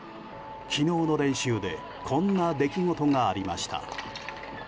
昨日の練習でこんな出来事がありました。